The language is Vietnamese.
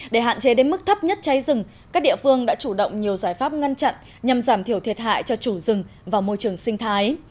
để hạn chế đến mức thấp nhất cháy rừng các địa phương đã chủ động nhiều giải pháp ngăn chặn nhằm giảm thiểu thiệt hại cho chủ rừng và môi trường sinh thái